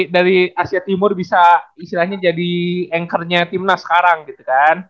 dari asia timur bisa istilahnya jadi anchornya timnas sekarang gitu kan